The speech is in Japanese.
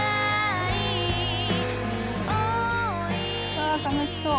わ楽しそう。